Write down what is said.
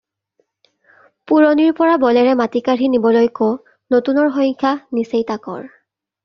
পুৰণিৰ পৰা বলেৰে মাটি কাঢ়ি নিবলৈকো নতুনৰ সংখ্যা নিচেই তাকৰ